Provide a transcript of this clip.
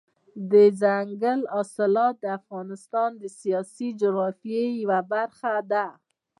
دځنګل حاصلات د افغانستان د سیاسي جغرافیې یوه برخه ده.